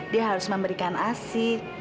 dia harus memberikan asik